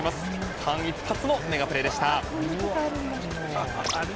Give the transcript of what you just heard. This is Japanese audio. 間一髪のメガプレでした。